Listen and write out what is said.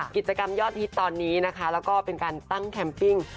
กิจกรรมยอดฮิตตอนนี้นะคะแล้วก็เป็นการตั้งแคมปิ้ง